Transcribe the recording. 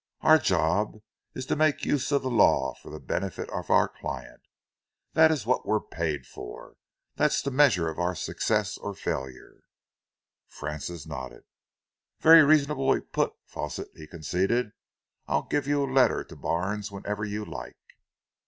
Our job is to make use of the law for the benefit of our client. That's what we're paid for. That's the measure of our success or failure." Francis nodded. "Very reasonably put, Fawsitt," he conceded. "I'll give you a letter to Barnes whenever you like."